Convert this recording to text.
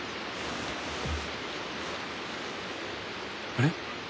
あれ？